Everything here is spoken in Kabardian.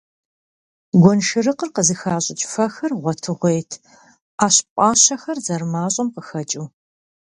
Гуэншэрыкъыр къызыхащӀыкӀ фэхэр гъуэтыгъуейт, Ӏэщ пӀащэхэр зэрымащӀэм къыхэкӀыу.